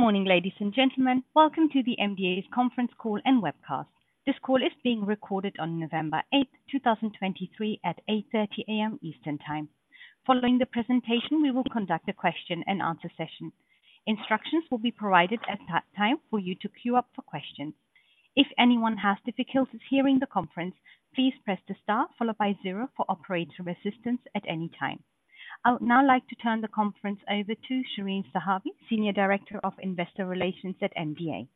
Good morning, ladies and gentlemen. Welcome to the MDA's conference call and webcast. This call is being recorded on November 8, 2023 at 8:30 A.M. Eastern Time. Following the presentation, we will conduct a question-and-answer session. Instructions will be provided at that time for you to queue up for questions. If anyone has difficulties hearing the conference, please press the star, followed by zero for operator assistance at any time. I would now like to turn the conference over to Shereen Zahawi, Senior Director of Investor Relations at MDA.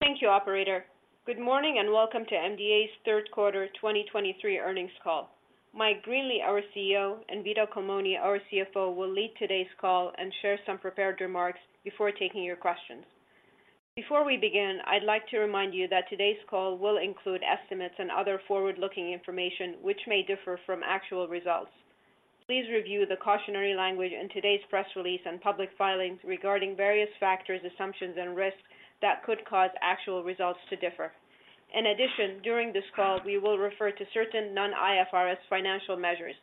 Thank you, operator. Good morning, and welcome to MDA's Q3 2023 earnings call. Mike Greenley, our CEO, and Vito Culmone, our CFO, will lead today's call and share some prepared remarks before taking your questions. Before we begin, I'd like to remind you that today's call will include estimates and other forward-looking information, which may differ from actual results. Please review the cautionary language in today's press release and public filings regarding various factors, assumptions, and risks that could cause actual results to differ. In addition, during this call, we will refer to certain non-IFRS financial measures.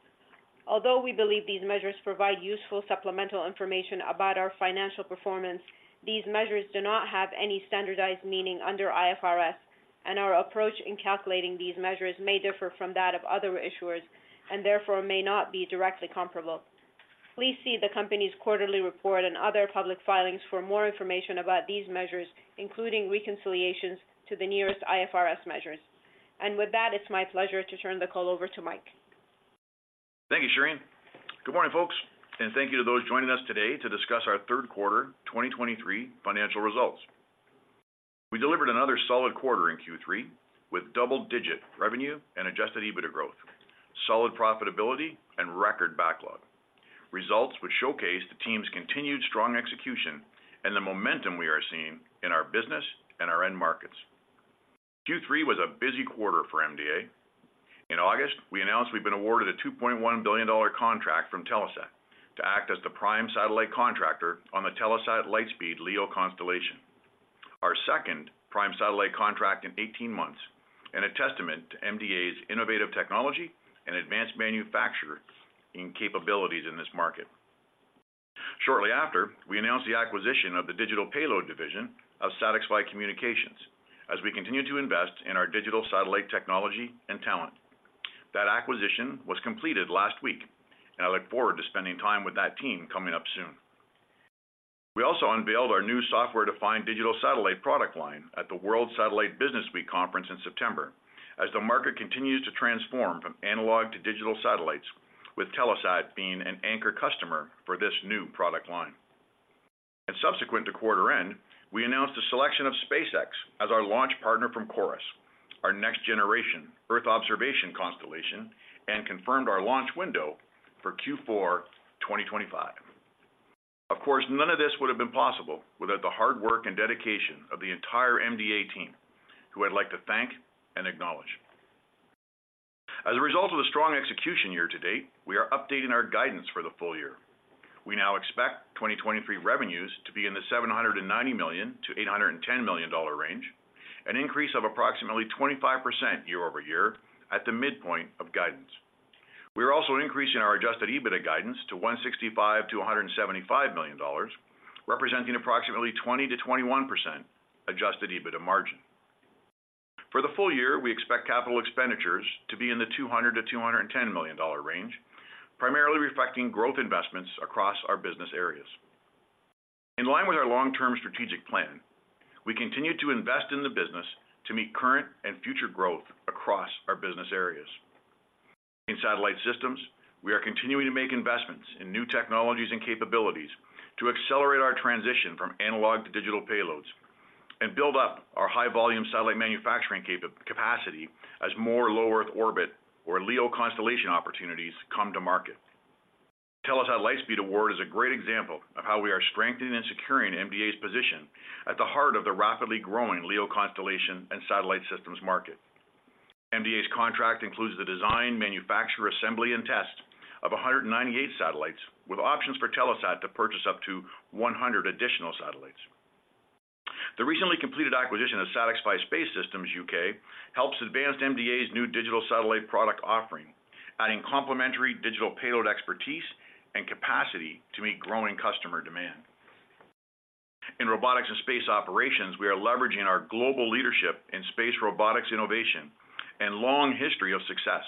Although we believe these measures provide useful supplemental information about our financial performance, these measures do not have any standardized meaning under IFRS, and our approach in calculating these measures may differ from that of other issuers and therefore may not be directly comparable. Please see the company's quarterly report and other public filings for more information about these measures, including reconciliations to the nearest IFRS measures. With that, it's my pleasure to turn the call over to Mike. Thank you, Shereen. Good morning, folks, and thank you to those joining us today to discuss our Q3 2023 financial results. We delivered another solid quarter in Q3 with double-digit revenue and Adjusted EBITDA growth, solid profitability and record backlog. Results which showcase the team's continued strong execution and the momentum we are seeing in our business and our end markets. Q3 was a busy quarter for MDA. In August, we announced we've been awarded a $2.1 billion contract from Telesat to act as the prime satellite contractor on the Telesat Lightspeed LEO constellation. Our second prime satellite contract in 18 months, and a testament to MDA's innovative technology and advanced manufacturing capabilities in this market. Shortly after, we announced the acquisition of the digital payload division of SatixFy Communications as we continue to invest in our digital satellite technology and talent. That acquisition was completed last week, and I look forward to spending time with that team coming up soon. We also unveiled our new software-defined digital satellite product line at the World Satellite Business Week Conference in September, as the market continues to transform from analog to digital satellites, with Telesat being an anchor customer for this new product line. Subsequent to quarter end, we announced a selection of SpaceX as our launch partner from CHORUS, our next-generation Earth observation constellation, and confirmed our launch window for Q4 2025. Of course, none of this would have been possible without the hard work and dedication of the entire MDA team, who I'd like to thank and acknowledge. As a result of the strong execution year to date, we are updating our guidance for the full year. We now expect 2023 revenues to be in the 790 million-810 million dollar range, an increase of approximately 25% year-over-year at the midpoint of guidance. We are also increasing our Adjusted EBITDA guidance to 165 million-175 million dollars, representing approximately 20%-21% Adjusted EBITDA margin. For the full year, we expect capital expenditures to be in the 200 million-210 million dollar range, primarily reflecting growth investments across our business areas. In line with our long-term strategic plan, we continue to invest in the business to meet current and future growth across our business areas. In Satellite Systems, we are continuing to make investments in new technologies and capabilities to accelerate our transition from analog to digital payloads and build up our high-volume satellite manufacturing capacity as more low-Earth orbit or LEO constellation opportunities come to market. Telesat Lightspeed award is a great example of how we are strengthening and securing MDA's position at the heart of the rapidly growing LEO constellation and Satellite Systems market. MDA's contract includes the design, manufacture, assembly, and test of 198 satellites, with options for Telesat to purchase up to 100 additional satellites. The recently completed acquisition of SatixFy Space Systems UK helps advance MDA's new digital satellite product offering, adding complementary digital payload expertise and capacity to meet growing customer demand. In Robotics & Space Operations, we are leveraging our global leadership in space robotics innovation and long history of success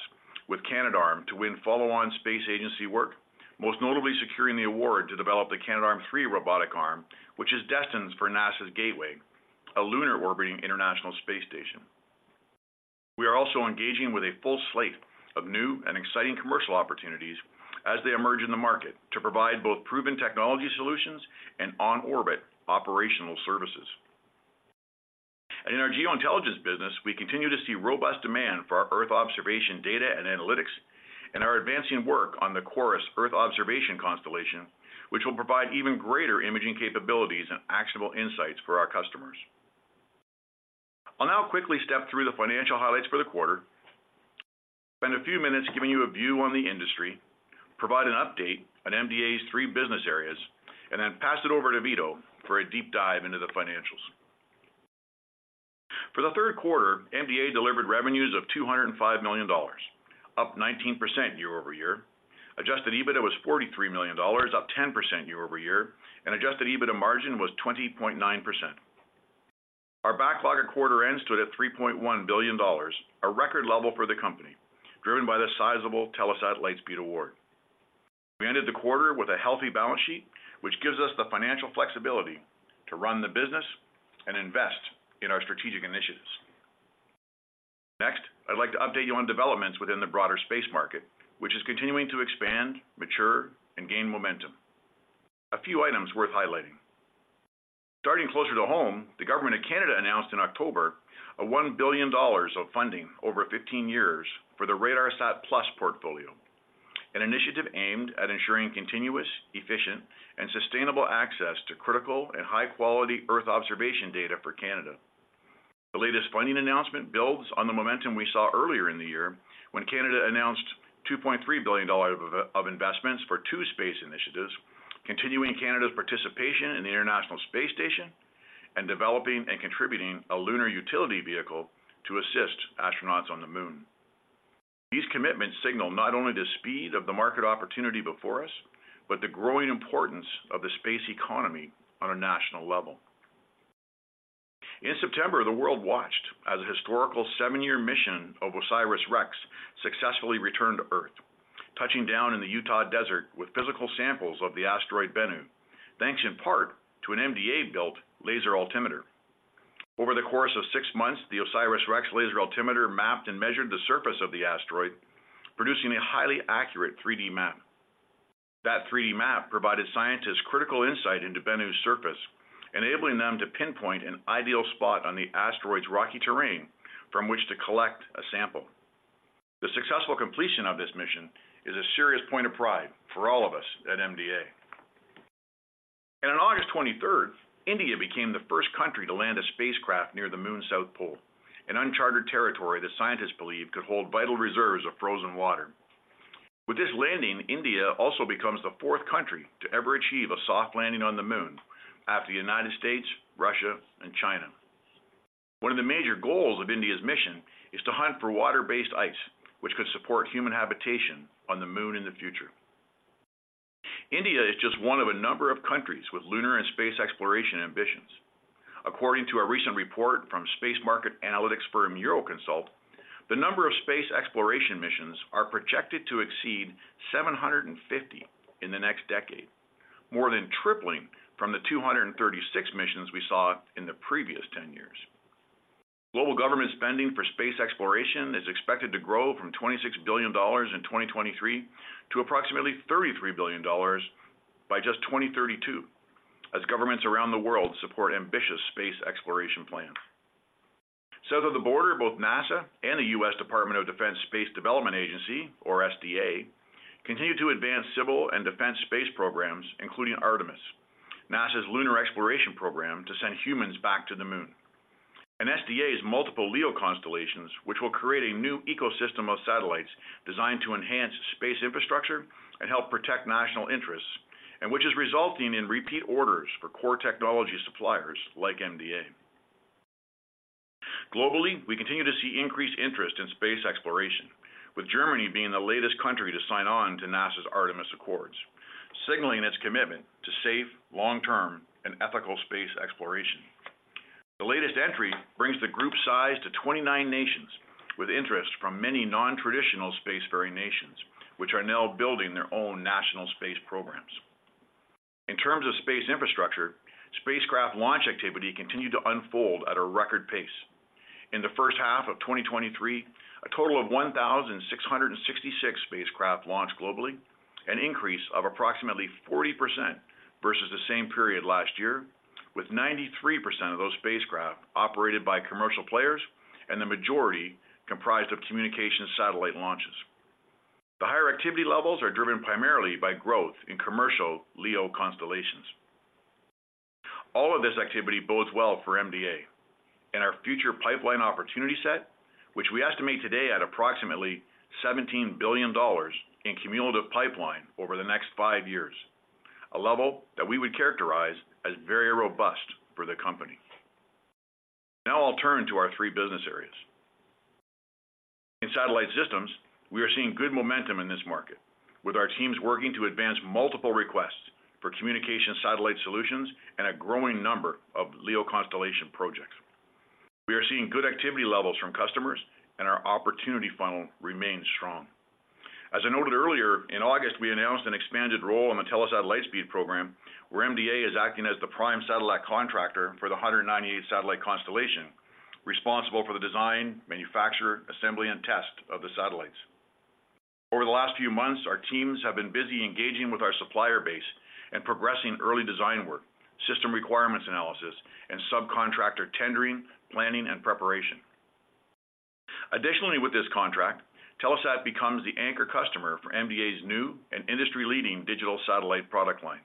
with Canadarm to win follow-on space agency work, most notably securing the award to develop the Canadarm3 robotic arm, which is destined for NASA's Gateway, a lunar orbiting International Space Station. We are also engaging with a full slate of new and exciting commercial opportunities as they emerge in the market, to provide both proven technology solutions and on-orbit operational services. In our Geointelligence business, we continue to see robust demand for our Earth observation data and analytics, and are advancing work on the CHORUS Earth observation constellation, which will provide even greater imaging capabilities and actionable insights for our customers. I'll now quickly step through the financial highlights for the quarter, spend a few minutes giving you a view on the industry, provide an update on MDA's three business areas, and then pass it over to Vito for a deep dive into the financials. For Q3, MDA delivered revenues of $205 million, up 19% year-over-year. Adjusted EBITDA was $43 million, up 10% year-over-year, and Adjusted EBITDA margin was 20.9%. Our backlog at quarter end stood at $3.1 billion, a record level for the company, driven by the sizable Telesat Lightspeed award. We ended the quarter with a healthy balance sheet, which gives us the financial flexibility to run the business and invest in our strategic initiatives. Next, I'd like to update you on developments within the broader space market, which is continuing to expand, mature, and gain momentum. A few items worth highlighting. Starting closer to home, the Government of Canada announced in October 1 billion dollars of funding over 15 years for the RADARSAT+ portfolio, an initiative aimed at ensuring continuous, efficient, and sustainable access to critical and high-quality Earth observation data for Canada. The latest funding announcement builds on the momentum we saw earlier in the year when Canada announced 2.3 billion dollars of investments for 2 space initiatives, continuing Canada's participation in the International Space Station and developing and contributing a Lunar Utility Vehicle to assist astronauts on the moon. These commitments signal not only the speed of the market opportunity before us, but the growing importance of the space economy on a national level. In September, the world watched as a historic 7-year mission of OSIRIS-REx successfully returned to Earth, touching down in the Utah desert with physical samples of the asteroid Bennu, thanks in part to an MDA-built laser altimeter. Over the course of 6 months, the OSIRIS-REx laser altimeter mapped and measured the surface of the asteroid, producing a highly accurate 3D map. That 3D map provided scientists critical insight into Bennu's surface, enabling them to pinpoint an ideal spot on the asteroid's rocky terrain from which to collect a sample. The successful completion of this mission is a serious point of pride for all of us at MDA. On August 23rd, India became the first country to land a spacecraft near the moon's South Pole, an uncharted territory that scientists believe could hold vital reserves of frozen water. With this landing, India also becomes the fourth country to ever achieve a soft landing on the moon after the United States, Russia, and China. One of the major goals of India's mission is to hunt for water-based ice, which could support human habitation on the moon in the future. India is just one of a number of countries with lunar and space exploration ambitions. According to a recent report from space market analytics firm Euroconsult, the number of space exploration missions are projected to exceed 750 in the next decade, more than tripling from the 236 missions we saw in the previous ten years. Global government spending for space exploration is expected to grow from $26 billion in 2023 to approximately $33 billion by just 2032, as governments around the world support ambitious space exploration plans. South of the border, both NASA and the U.S. Department of Defense Space Development Agency, or SDA, continue to advance civil and defense space programs, including Artemis, NASA's lunar exploration program, to send humans back to the moon. SDA's multiple LEO constellations, which will create a new ecosystem of satellites designed to enhance space infrastructure and help protect national interests, and which is resulting in repeat orders for core technology suppliers like MDA. Globally, we continue to see increased interest in space exploration, with Germany being the latest country to sign on to NASA's Artemis Accords, signaling its commitment to safe, long-term, and ethical space exploration. The latest entry brings the group size to 29 nations, with interest from many non-traditional spacefaring nations, which are now building their own national space programs. In terms of space infrastructure, spacecraft launch activity continued to unfold at a record pace. In the first half of 2023, a total of 1,666 spacecraft launched globally, an increase of approximately 40% versus the same period last year, with 93% of those spacecraft operated by commercial players and the majority comprised of communication satellite launches. The higher activity levels are driven primarily by growth in commercial LEO constellations. All of this activity bodes well for MDA and our future pipeline opportunity set, which we estimate today at approximately $17 billion in cumulative pipeline over the next five years, a level that we would characterize as very robust for the company. Now I'll turn to our three business areas. In Satellite Systems, we are seeing good momentum in this market, with our teams working to advance multiple requests for communication satellite solutions and a growing number of LEO constellation projects. We are seeing good activity levels from customers, and our opportunity funnel remains strong. As I noted earlier, in August, we announced an expanded role on the Telesat Lightspeed program, where MDA is acting as the prime satellite contractor for the 198-satellite constellation, responsible for the design, manufacture, assembly, and test of the satellites. Over the last few months, our teams have been busy engaging with our supplier base and progressing early design work, system requirements analysis, and subcontractor tendering, planning, and preparation. Additionally, with this contract, Telesat becomes the anchor customer for MDA's new and industry-leading digital satellite product line.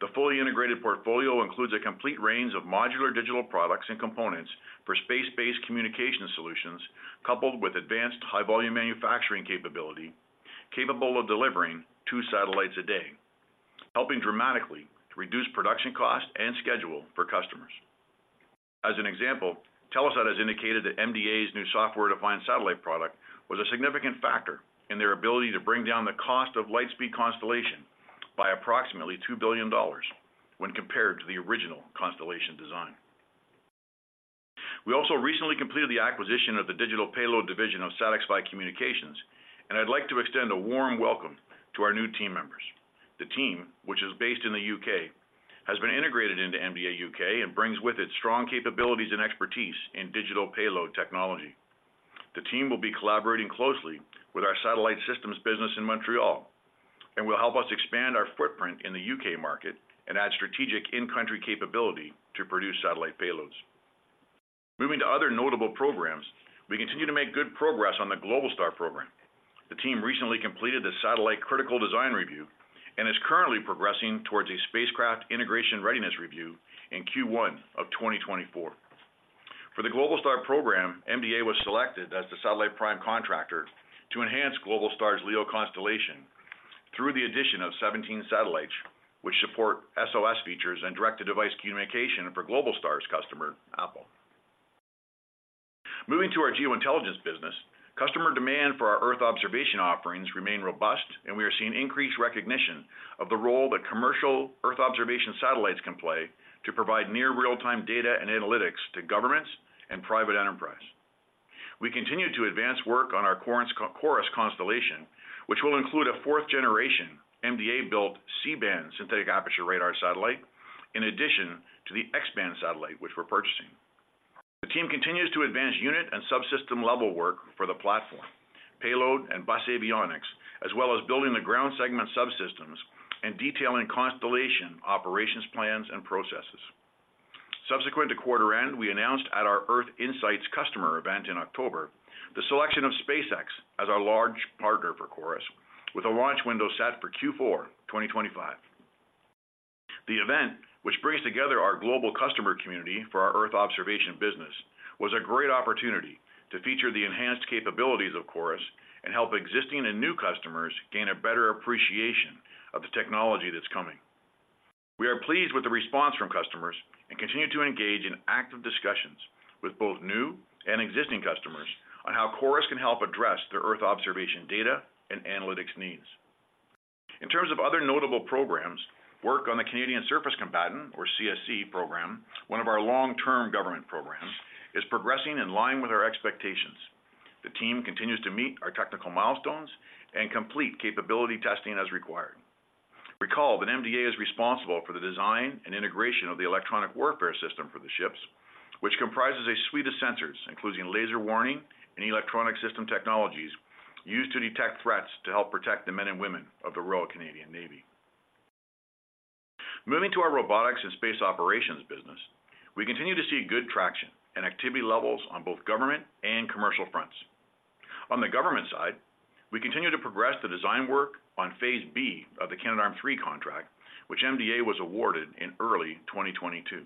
The fully integrated portfolio includes a complete range of modular digital products and components for space-based communication solutions, coupled with advanced high-volume manufacturing capability, capable of delivering two satellites a day, helping dramatically to reduce production cost and schedule for customers. As an example, Telesat has indicated that MDA's new software-defined satellite product was a significant factor in their ability to bring down the cost of Lightspeed constellation by approximately $2 billion when compared to the original constellation design. We also recently completed the acquisition of the digital payload division of SatixFy Communications, and I'd like to extend a warm welcome to our new team members. The team, which is based in the U.K., has been integrated into MDA UK, and brings with it strong capabilities and expertise in digital payload technology. The team will be collaborating closely with our Satellite Systems business in Montreal, and will help us expand our footprint in the U.K. market and add strategic in-country capability to produce satellite payloads. Moving to other notable programs, we continue to make good progress on the Globalstar program. The team recently completed the satellite critical design review, and is currently progressing towards a spacecraft integration readiness review in Q1 of 2024. For the Globalstar program, MDA was selected as the satellite prime contractor to enhance Globalstar's LEO constellation through the addition of 17 satellites, which support SOS features and direct-to-device communication for Globalstar's customer, Apple. Moving to our Geointelligence business, customer demand for our Earth observation offerings remain robust, and we are seeing increased recognition of the role that commercial Earth observation satellites can play to provide near real-time data and analytics to governments and private enterprise. We continue to advance work on our CHORUS constellation, which will include a fourth generation MDA-built C-band synthetic aperture radar satellite, in addition to the X-band satellite, which we're purchasing. The team continues to advance unit and subsystem-level work for the platform, payload, and bus avionics, as well as building the ground segment subsystems and detailing constellation operations plans and processes. Subsequent to quarter end, we announced at our Earth Insight customer event in October, the selection of SpaceX as our launch partner for CHORUS, with a launch window set for Q4 2025. The event, which brings together our global customer community for our Earth observation business, was a great opportunity to feature the enhanced capabilities of CHORUS and help existing and new customers gain a better appreciation of the technology that's coming. We are pleased with the response from customers and continue to engage in active discussions with both new and existing customers on how CHORUS can help address their Earth observation data and analytics needs. In terms of other notable programs, work on the Canadian Surface Combatant, or CSC program, one of our long-term government programs, is progressing in line with our expectations. The team continues to meet our technical milestones and complete capability testing as required. Recall that MDA is responsible for the design and integration of the electronic warfare system for the ships, which comprises a suite of sensors, including laser warning and electronic system technologies, used to detect threats to help protect the men and women of the Royal Canadian Navy. Moving to our Robotics & Space Operations business, we continue to see good traction and activity levels on both government and commercial fronts. On the government side, we continue to progress the design work on phase B of the Canadarm3 contract, which MDA was awarded in early 2022.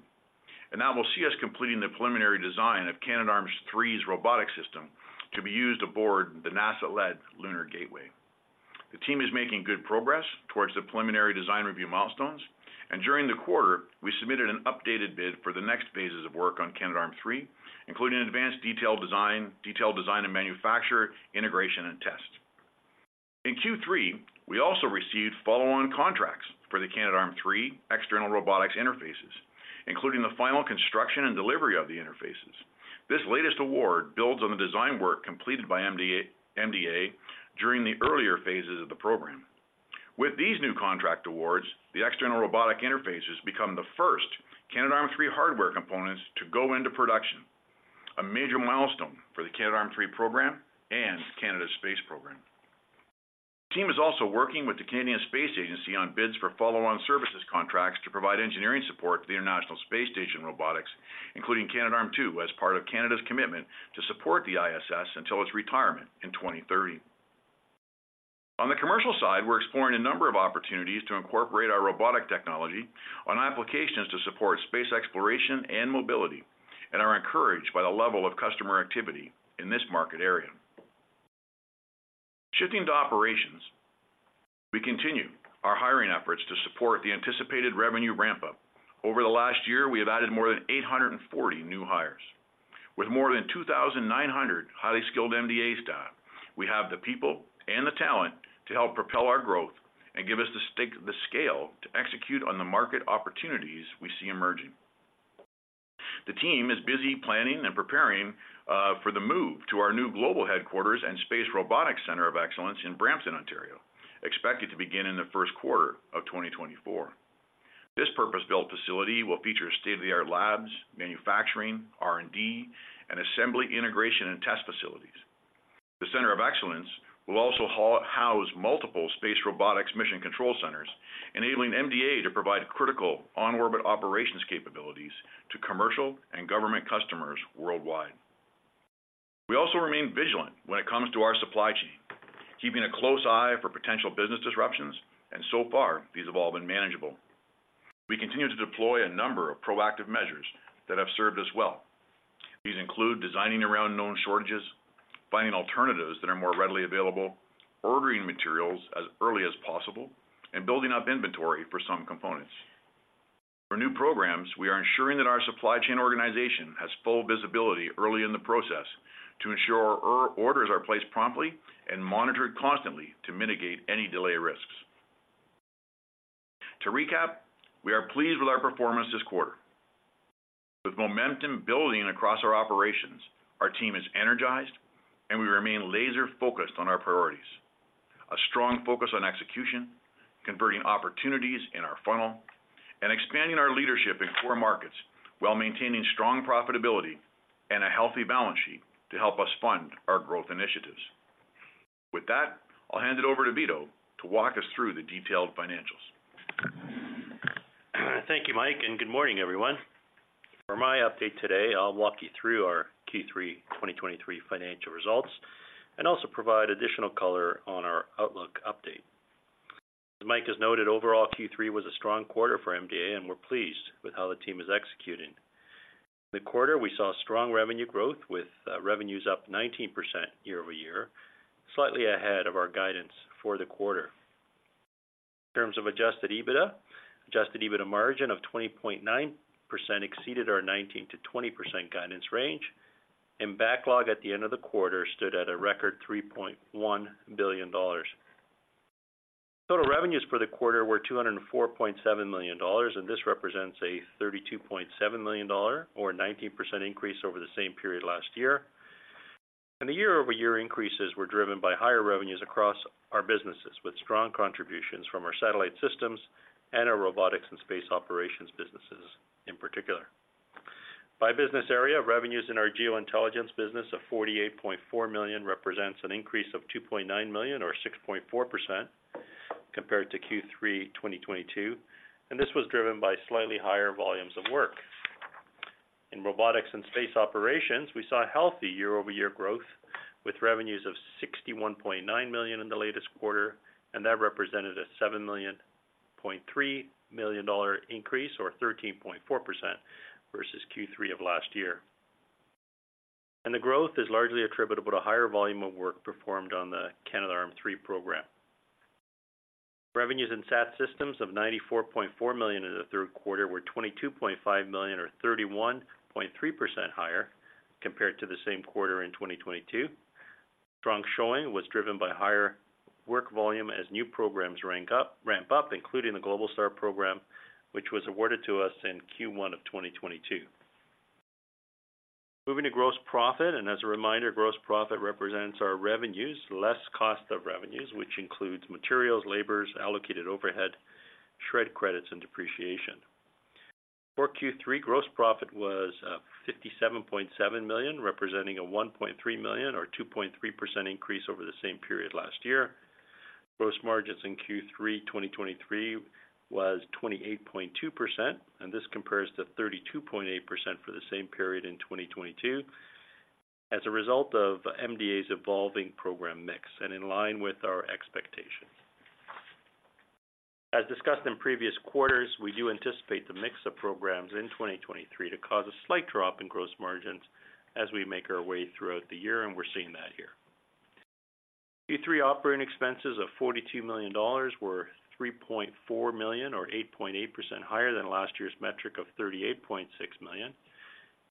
That will see us completing the preliminary design of Canadarm3's robotic system to be used aboard the NASA-led Lunar Gateway. The team is making good progress towards the preliminary design review milestones, and during the quarter, we submitted an updated bid for the next phases of work on Canadarm3, including advanced detail design, detail design and manufacture, integration, and test. In Q3, we also received follow-on contracts for the Canadarm3 external robotics interfaces, including the final construction and delivery of the interfaces. This latest award builds on the design work completed by MDA during the earlier phases of the program. With these new contract awards, the external robotic interfaces become the first Canadarm3 hardware components to go into production, a major milestone for the Canadarm3 program and Canada's space program. The team is also working with the Canadian Space Agency on bids for follow-on services contracts to provide engineering support to the International Space Station robotics, including Canadarm2, as part of Canada's commitment to support the ISS until its retirement in 2030. On the commercial side, we're exploring a number of opportunities to incorporate our robotic technology on applications to support space exploration and mobility, and are encouraged by the level of customer activity in this market area. Shifting to operations, we continue our hiring efforts to support the anticipated revenue ramp-up. Over the last year, we have added more than 840 new hires. With more than 2,900 highly skilled MDA staff, we have the people and the talent to help propel our growth and give us the scale to execute on the market opportunities we see emerging. The team is busy planning and preparing for the move to our new global headquarters and Space Robotics Center of Excellence in Brampton, Ontario, expected to begin in the first quarter of 2024. This purpose-built facility will feature state-of-the-art labs, manufacturing, R&D, and assembly, integration, and test facilities. The Center of Excellence will also house multiple space robotics mission control centers, enabling MDA to provide critical on-orbit operations capabilities to commercial and government customers worldwide. We also remain vigilant when it comes to our supply chain, keeping a close eye for potential business disruptions, and so far, these have all been manageable. We continue to deploy a number of proactive measures that have served us well. These include designing around known shortages, finding alternatives that are more readily available, ordering materials as early as possible, and building up inventory for some components. For new programs, we are ensuring that our supply chain organization has full visibility early in the process to ensure our orders are placed promptly and monitored constantly to mitigate any delay risks. To recap, we are pleased with our performance this quarter. With momentum building across our operations, our team is energized, and we remain laser-focused on our priorities. A strong focus on execution, converting opportunities in our funnel, and expanding our leadership in core markets while maintaining strong profitability and a healthy balance sheet to help us fund our growth initiatives. With that, I'll hand it over to Vito to walk us through the detailed financials. Thank you, Mike, and good morning, everyone. For my update today, I'll walk you through our Q3 2023 financial results and also provide additional color on our outlook update. As Mike has noted, overall, Q3 was a strong quarter for MDA, and we're pleased with how the team is executing. In the quarter, we saw strong revenue growth, with revenues up 19% year-over-year, slightly ahead of our guidance for the quarter. In terms of Adjusted EBITDA, Adjusted EBITDA margin of 20.9% exceeded our 19%-20% guidance range, and backlog at the end of the quarter stood at a record 3.1 billion dollars. Total revenues for the quarter were 204.7 million dollars, and this represents a 32.7 million dollar or 19% increase over the same period last year. The year-over-year increases were driven by higher revenues across our businesses, with strong contributions from our Satellite Systems and our Robotics & Space Operations businesses in particular. By business area, revenues in our Geointelligence business of 48.4 million represents an increase of 2.9 million or 6.4% compared to Q3 2022, and this was driven by slightly higher volumes of work. In Robotics & Space Operations, we saw a healthy year-over-year growth, with revenues of 61.9 million in the latest quarter, and that represented a 7.3 million increase or 13.4% versus Q3 of last year. The growth is largely attributable to higher volume of work performed on the Canadarm3 program. Revenues in Satellite Systems of 94.4 million in the Q3 were 22.5 million or 31.3% higher compared to the same quarter in 2022. Strong showing was driven by higher work volume as new programs ramp up, including the Globalstar program, which was awarded to us in Q1 of 2022. Moving to gross profit, and as a reminder, gross profit represents our revenues, less cost of revenues, which includes materials, labor, allocated overhead, shared credits, and depreciation. For Q3, gross profit was 57.7 million, representing a 1.3 million or 2.3% increase over the same period last year. Gross margins in Q3 2023 was 28.2%, and this compares to 32.8% for the same period in 2022, as a result of MDA's evolving program mix and in line with our expectations. As discussed in previous quarters, we do anticipate the mix of programs in 2023 to cause a slight drop in gross margins as we make our way throughout the year, and we're seeing that here. Q3 operating expenses of 42 million dollars were 3.4 million or 8.8% higher than last year's metric of 38.6 million.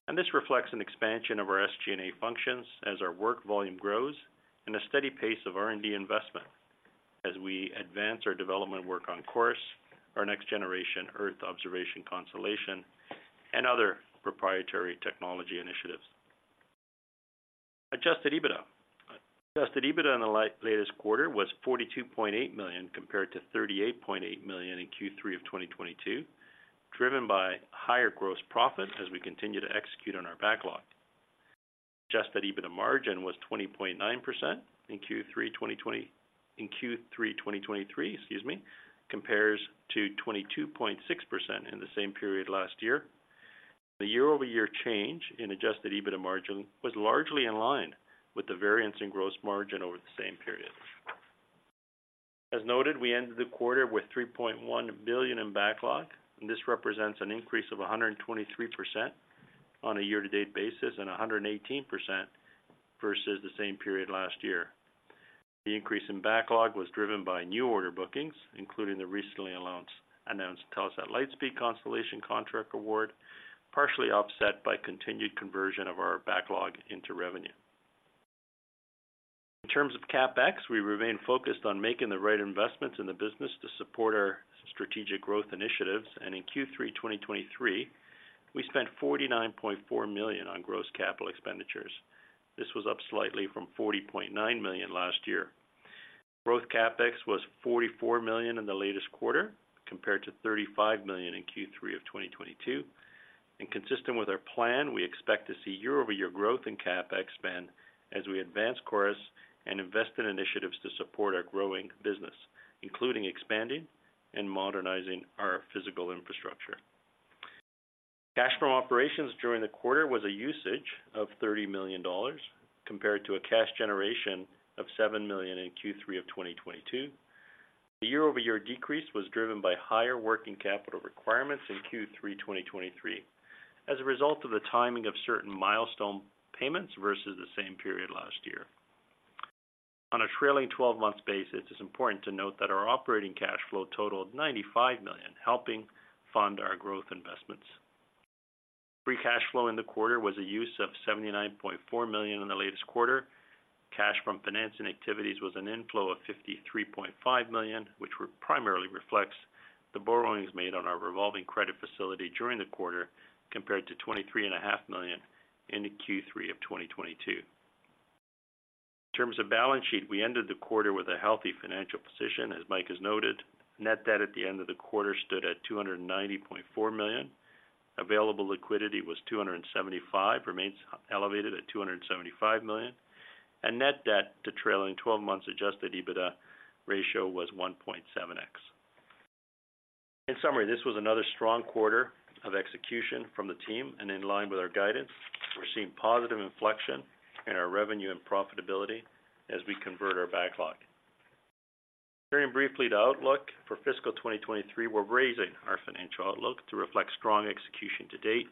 And this reflects an expansion of our SG&A functions as our work volume grows and a steady pace of R&D investment as we advance our development work on CHORUS, our next-generation Earth observation constellation, and other proprietary technology initiatives. Adjusted EBITDA in the latest quarter was 42.8 million, compared to 38.8 million in Q3 of 2022, driven by higher gross profit as we continue to execute on our backlog. Adjusted EBITDA margin was 20.9% in Q3 2023, excuse me, compares to 22.6% in the same period last year. The year-over-year change in Adjusted EBITDA margin was largely in line with the variance in gross margin over the same period. As noted, we ended the quarter with 3.1 billion in backlog, and this represents an increase of 123% on a year-to-date basis and 118% versus the same period last year. The increase in backlog was driven by new order bookings, including the recently announced Telesat Lightspeed constellation contract award, partially offset by continued conversion of our backlog into revenue. In terms of CapEx, we remain focused on making the right investments in the business to support our strategic growth initiatives, and in Q3 2023, we spent 49.4 million on gross capital expenditures. This was up slightly from 40.9 million last year. Growth CapEx was 44 million in the latest quarter, compared to 35 million in Q3 of 2022. Consistent with our plan, we expect to see year-over-year growth in CapEx spend as we advance CHORUS and invest in initiatives to support our growing business, including expanding and modernizing our physical infrastructure. Cash from operations during the quarter was a usage of 30 million dollars, compared to a cash generation of 7 million in Q3 2022. The year-over-year decrease was driven by higher working capital requirements in Q3 2023, as a result of the timing of certain milestone payments versus the same period last year. On a trailing 12 basis, it is important to note that our operating cash flow totaled 95 million, helping fund our growth investments. Free cash flow in the quarter was a use of 79.4 million in the latest quarter. Cash from financing activities was an inflow of 53.5 million, which primarily reflects the borrowings made on our revolving credit facility during the quarter, compared to 23.5 million in the Q3 of 2022. In terms of balance sheet, we ended the quarter with a healthy financial position, as Mike has noted. Net debt at the end of the quarter stood at 290.4 million. Available liquidity was 275, remains elevated at 275 million, and net debt to trailing 12 months Adjusted EBITDA ratio was 1.7x. In summary, this was another strong quarter of execution from the team, and in line with our guidance, we're seeing positive inflection in our revenue and profitability as we convert our backlog. Turning briefly to outlook for fiscal 2023, we're raising our financial outlook to reflect strong execution to date.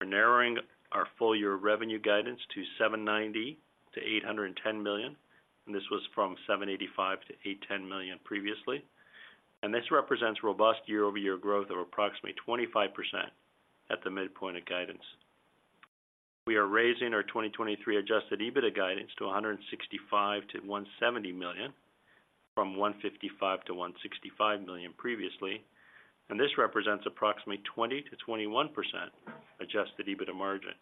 We're narrowing our full-year revenue guidance to 790 million-810 million, and this was from 785 million-810 million previously. This represents robust year-over-year growth of approximately 25% at the midpoint of guidance. We are raising our 2023 Adjusted EBITDA guidance to 165 million-170 million, from 155 million-165 million previously, and this represents approximately 20%-21% Adjusted EBITDA margin.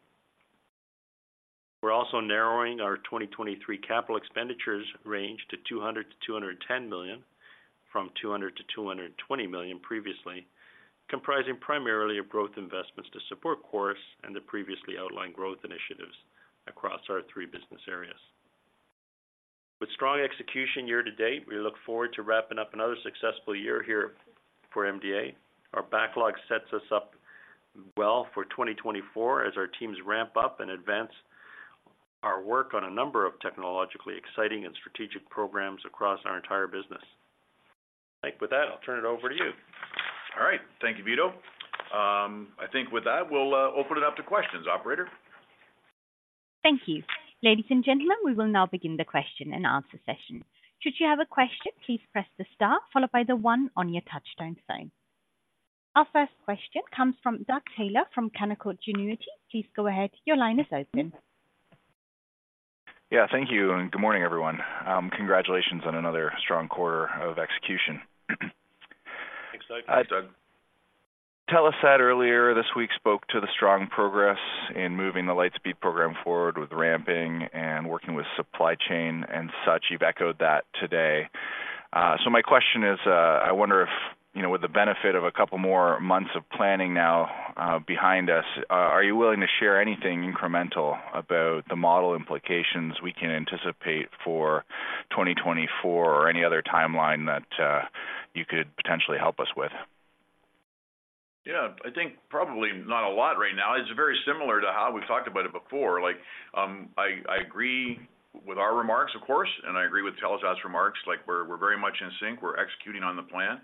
We're also narrowing our 2023 capital expenditures range to 200 million-210 million, from 200 million-220 million previously, comprising primarily of growth investments to support CHORUS and the previously outlined growth initiatives across our three business areas. With strong execution year to date, we look forward to wrapping up another successful year here for MDA. Our backlog sets us up well for 2024 as our teams ramp up and advance our work on a number of technologically exciting and strategic programs across our entire business. Mike, with that, I'll turn it over to you. All right, thank you, Vito. I think with that, we'll open it up to questions. Operator? Thank you. Ladies and gentlemen, we will now begin the question-and-answer session. Should you have a question, please press the star followed by the one on your touchtone phone. Our first question comes from Doug Taylor from Canaccord Genuity. Please go ahead. Your line is open. Yeah, thank you, and good morning, everyone. Congratulations on another strong quarter of execution. Thanks, Doug. Thanks, Doug. Telesat earlier this week spoke to the strong progress in moving the Lightspeed program forward with ramping and working with supply chain and such. You've echoed that today. So my question is, I wonder if, you know, with the benefit of a couple more months of planning now behind us, are you willing to share anything incremental about the model implications we can anticipate for 2024 or any other timeline that you could potentially help us with? Yeah, I think probably not a lot right now. It's very similar to how we've talked about it before. Like, I agree with our remarks, of course, and I agree with Telesat's remarks. Like, we're very much in sync. We're executing on the plan.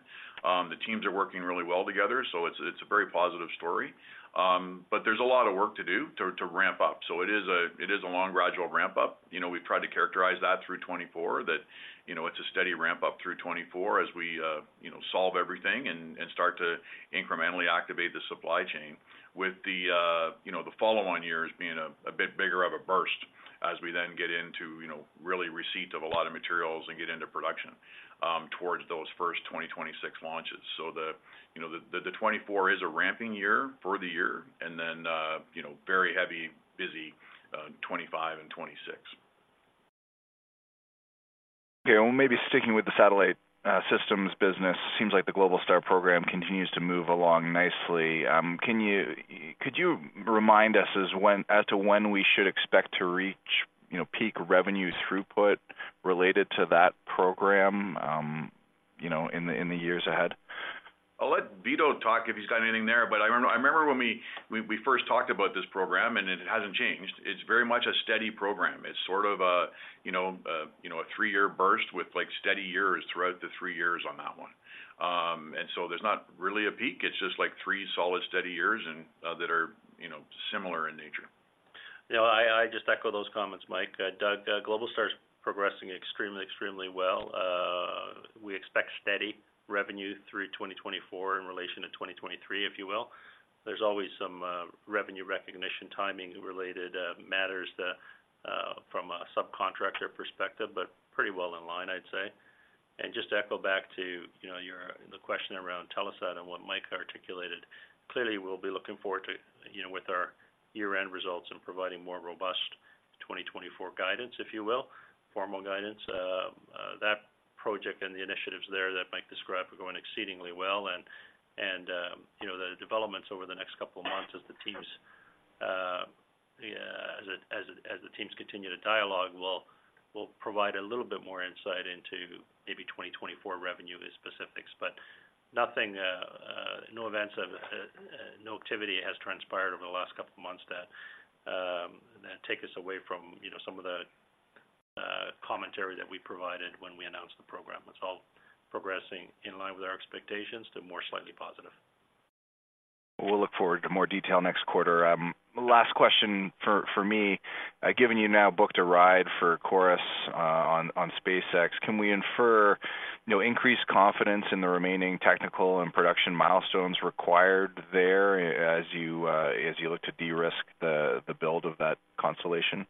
The teams are working really well together, so it's a very positive story, but there's a lot of work to do to ramp up. So it is a long gradual ramp up. You know, we've tried to characterize that through 2024, that, you know, it's a steady ramp up through 2024 as we, you know, solve everything and start to incrementally activate the supply chain. With the, you know, the follow-on years being a bit bigger of a burst as we then get into, you know, really receipt of a lot of materials and get into production, towards those first 2026 launches. So the, you know, the 2024 is a ramping year for the year and then, you know, very heavy, busy, 2025 and 2026. Okay, well, maybe sticking with the Satellite Systems business, seems like the Globalstar program continues to move along nicely. Could you remind us as to when we should expect to reach, you know, peak revenue throughput related to that program, you know, in the years ahead? I'll let Vito talk if he's got anything there, but I remember when we first talked about this program, and it hasn't changed. It's very much a steady program. It's sort of a, you know, you know, a three-year burst with, like, steady years throughout the three years on that one. So there's not really a peak. It's just, like, three solid, steady years and that are, you know, similar in nature. Yeah, I just echo those comments, Mike. Doug, Globalstar is progressing extremely, extremely well. We expect steady revenue through 2024 in relation to 2023, if you will. There's always some revenue recognition, timing-related matters that from a subcontractor perspective, but pretty well in line, I'd say. And just to echo back to, you know, your, the question around Telesat and what Mike articulated, clearly, we'll be looking forward to, you know, with our year-end results and providing more robust 2024 guidance, if you will, formal guidance. That project and the initiatives there that Mike described are going exceedingly well, and you know, the developments over the next couple of months as the teams, continue to dialogue, we'll provide a little bit more insight into maybe 2024 revenue specifics. But nothing, no events, no activity has transpired over the last couple of months that take us away from, you know, some of the commentary that we provided when we announced the program. It's all progressing in line with our expectations to more slightly positive. We'll look forward to more detail next quarter. Last question for me. Given you now booked a ride for CHORUS on SpaceX, can we infer, you know, increased confidence in the remaining technical and production milestones required there as you look to de-risk the build of that constellation?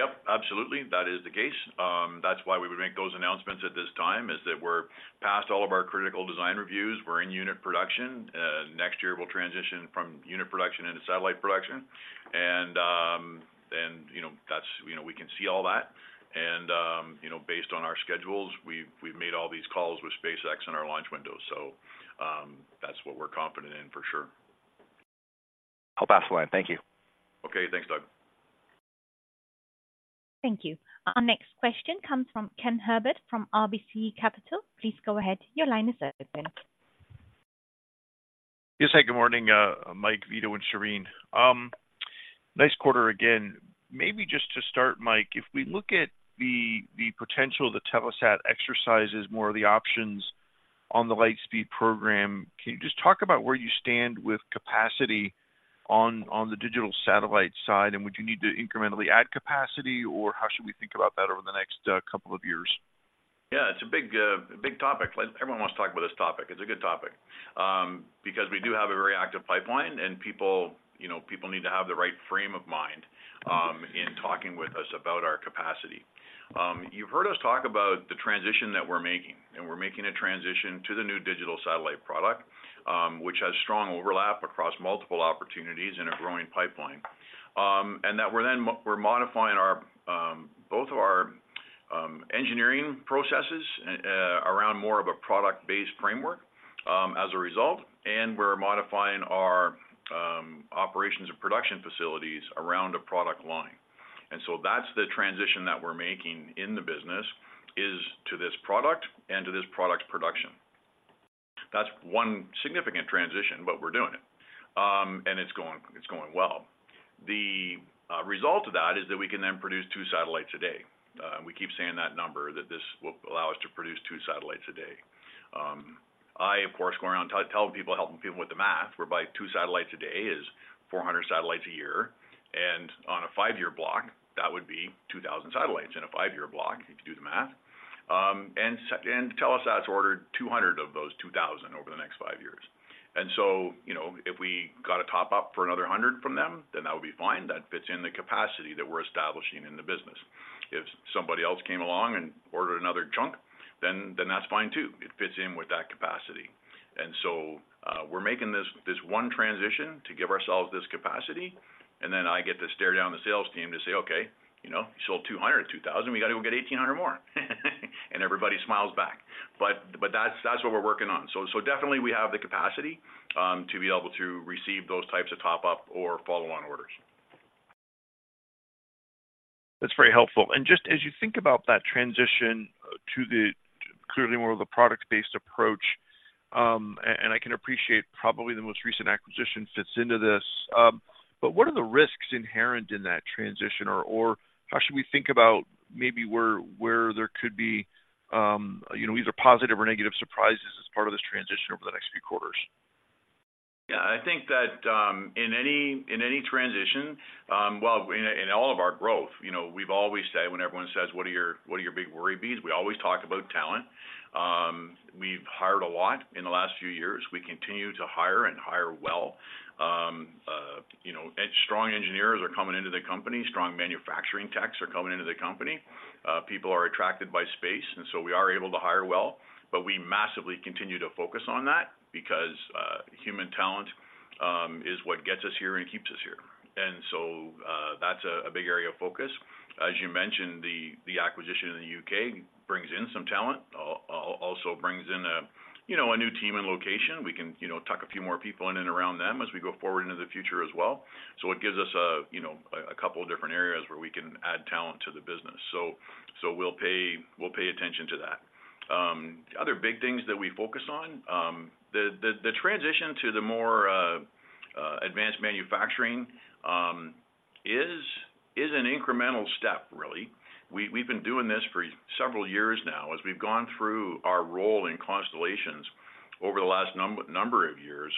Yep, absolutely. That is the case. That's why we would make those announcements at this time, is that we're past all of our critical design reviews. We're in unit production. Next year, we'll transition from unit production into satellite production. And, you know, that's, you know, we can see all that. And, you know, based on our schedules, we've made all these calls with SpaceX and our launch windows. So, that's what we're confident in for sure. I'll pass the line. Thank you. Okay. Thanks, Doug. Thank you. Our next question comes from Ken Herbert, from RBC Capital. Please go ahead. Your line is open. Yes, hi, good morning, Mike, Vito, and Shereen. Nice quarter again. Maybe just to start, Mike, if we look at the, the potential, the Telesat exercise is more of the options on the Lightspeed program. Can you just talk about where you stand with capacity \on the digital satellite side? And would you need to incrementally add capacity, or how should we think about that over the next, couple of years? Yeah, it's a big, big topic. Like, everyone wants to talk about this topic. It's a good topic, because we do have a very active pipeline, and people, you know, people need to have the right frame of mind, in talking with us about our capacity. You've heard us talk about the transition that we're making, and we're making a transition to the new digital satellite product, which has strong overlap across multiple opportunities and a growing pipeline. We're then modifying our, both of our, engineering processes, around more of a product-based framework, as a result, and we're modifying our, operations and production facilities around a product line. So that's the transition that we're making in the business, is to this product and to this product production. That's one significant transition, but we're doing it, and it's going, it's going well. The result of that is that we can then produce 2 satellites a day. We keep saying that number, that this will allow us to produce 2 satellites a day. I, of course, going around telling people, helping people with the math, where by 2 satellites a day is 400 satellites a year, and on a 5-year block, that would be 2,000 satellites in a 5-year block, if you do the math. Telesat's ordered 200 of those 2,000 over the next 5 years. So, you know, if we got a top-up for another 100 from them, then that would be fine. That fits in the capacity that we're establishing in the business. If somebody else came along and ordered another chunk, then that's fine, too. It fits in with that capacity. So, we're making this one transition to give ourselves this capacity, and then I get to stare down the sales team to say, okay, you know, you sold 200 out of 2,000, we got to go get 1,800 more. And everybody smiles back. But that's what we're working on. So definitely we have the capacity to be able to receive those types of top-up or follow-on orders. That's very helpful. And just as you think about that transition to the clearly more of a product-based approach, and I can appreciate probably the most recent acquisition fits into this. But what are the risks inherent in that transition? Or how should we think about maybe where there could be, you know, either positive or negative surprises as part of this transition over the next few quarters? Yeah, I think that, in any transition, well, in all of our growth, you know, we've always said when everyone says: What are your, what are your big worry beads? We always talk about talent. We've hired a lot in the last few years. We continue to hire and hire well. You know, strong engineers are coming into the company. Strong manufacturing techs are coming into the company. People are attracted by space, and so we are able to hire well, but we massively continue to focus on that because, human talent, is what gets us here and keeps us here. So, that's a, a big area of focus. As you mentioned, the, the acquisition in the U.K. brings in some talent, also brings in a, you know, a new team and location. We can, you know, tuck a few more people in and around them as we go forward into the future as well. So it gives us a, you know, a couple of different areas where we can add talent to the business. So, so we'll pay, we'll pay attention to that. Other big things that we focus on, the transition to the more advanced manufacturing is an incremental step, really. We've been doing this for several years now as we've gone through our role in constellations over the last number of years,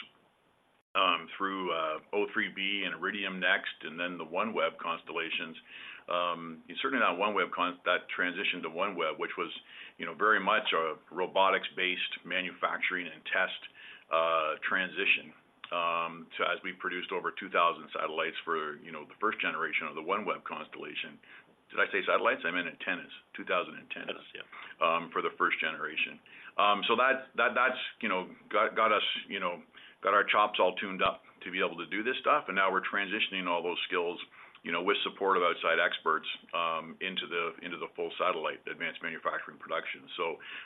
through O3b and Iridium NEXT, and then the OneWeb constellations. And certainly that transition to OneWeb, which was, you know, very much a robotics-based manufacturing and test transition. So as we produced over 2,000 satellites for, you know, the first generation of the OneWeb constellation. Did I say satellites? I meant antennas, 2,000 antennas for the first generation. So that's, you know, got us, you know, got our chops all tuned up to be able to do this stuff, and now we're transitioning all those skills, you know, with support of outside experts.